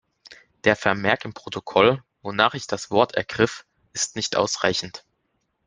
Der Vermerk im Protokoll, wonach ich das Wort ergriff, ist nicht ausreichend.